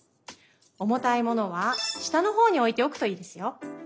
おもたいものはしたのほうにおいておくといいですよ。